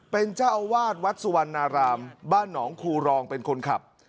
เป็นเจ้าอาวาสวัดสุวรรณารามบ้านหนองคูรองเป็นคนขับ